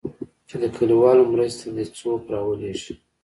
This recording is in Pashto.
چې د کليوالو مرستې ته دې څوک راولېږي.